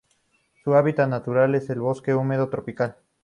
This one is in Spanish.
Su hábitat natural es el bosque húmedo tropical.